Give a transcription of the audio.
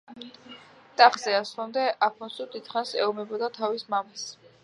ტახტზე ასვლამდე, აფონსუ დიდხანს ეომებოდა თავის მამას.